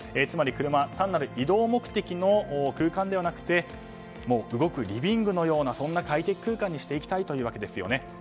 つまり車は単なる移動目的の空間ではなくて動くリビングのような快適空間にしてきたいというわけです。